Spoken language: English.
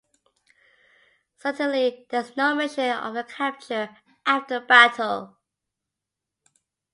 Certainly, there is no mention of her capture after the battle.